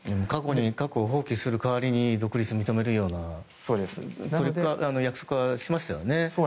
過去に核を放棄する代わりに独立を認めるような約束はしましたね。